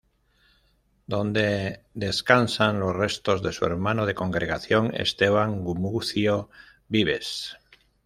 Donde descansan los restos de su hermano de congregación Esteban Gumucio Vives.